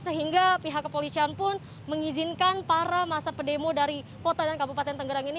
sehingga pihak kepolisian pun mengizinkan para masa pendemo dari kota dan kabupaten tangerang ini